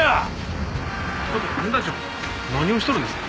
ちょっと分団長何をしとるんですか？